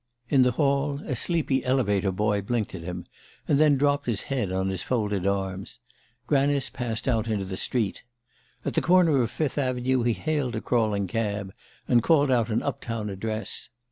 In the hall, a sleepy elevator boy blinked at him and then dropped his head on his folded arms. Granice passed out into the street. At the corner of Fifth Avenue he hailed a crawling cab, and called out an up town address.